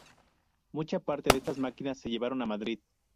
Mucha parte de estas máquinas se llevaron a Madrid.